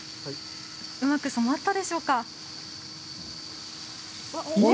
うまく染まったでしょうか。